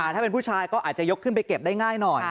ถ้าเป็นผู้ชายก็อาจจะยกขึ้นไปเก็บได้ง่ายหน่อย